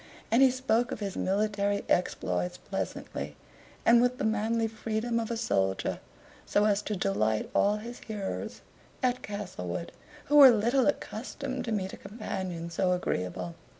And he spoke of his military exploits pleasantly, and with the manly freedom of a soldier, so as to delight all his hearers at Castlewood, who were little accustomed to meet a companion so agreeable.